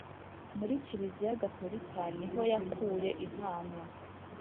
muri kiliziya gatolika niho yakuye impano